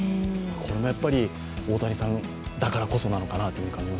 これもやっぱり大谷さんだからこそなのかなと。